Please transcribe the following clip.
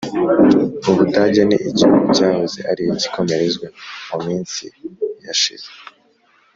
u budage ni igihugu cyahoze ari igikomerezwa mu minsi yashize